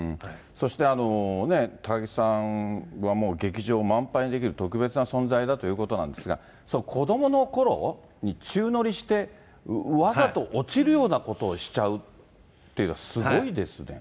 そして高木さんはもう劇場を満杯にできる、特別な存在だということなんですが、その子どものころに宙乗りして、わざと落ちるようなことをしちゃうって、すごいですね。